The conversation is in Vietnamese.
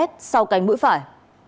sau cánh mũi phải